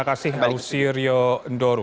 apakah ketua kpu hashim ashari akan digantikan